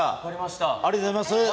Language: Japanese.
ありがとうございます。